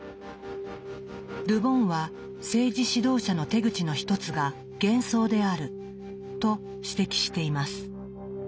ル・ボンは政治指導者の手口の一つが「幻想」であると指摘しています。